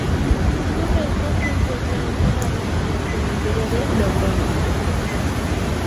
Sus restos se encuentran enterrados en el cementerio de Logroño.